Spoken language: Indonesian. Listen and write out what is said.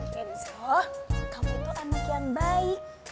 kenzo kamu itu kan makin baik